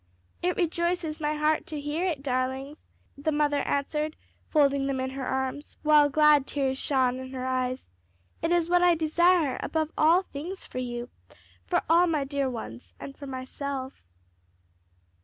"It rejoices my heart to hear it, my darlings," the mother answered, folding them in her arms, while glad tears shone in her eyes; "it is what I desire above all things for you, for all my dear ones, and for myself."